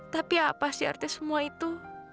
tapi apa sih artinya semua itu